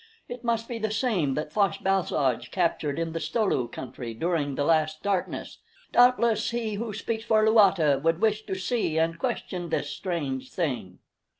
It must be the same that Fosh bal soj captured in the Sto lu country during the last darkness. Doubtless He Who Speaks for Luata would wish to see and question this strange thing."